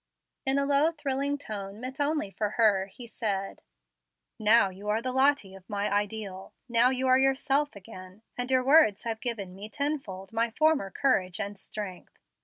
In a low, thrilling tone, meant only for her, he said: "Now you are the Lottie of my ideal; now you are yourself again, and your words have given me tenfold my former courage and strength.